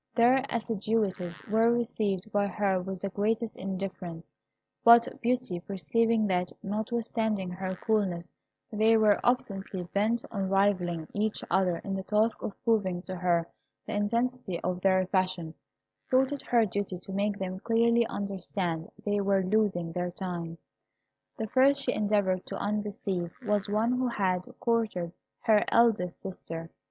Their assiduities were received by her with the greatest indifference; but Beauty perceiving that, notwithstanding her coolness, they were obstinately bent on rivalling each other in the task of proving to her the intensity of their passion, thought it her duty to make them clearly understand they were losing their time. The first she endeavoured to undeceive was one who had courted her eldest sister.